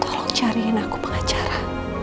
tolong cariin aku pengacara